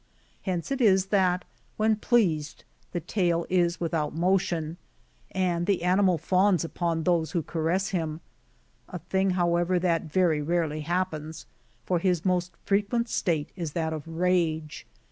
Hence it is that, when pleased, the tail is without motion, and the animal fawns upon those who caress him ; a thing, however, that very rarely happens, for his most fre quent state is that of rage.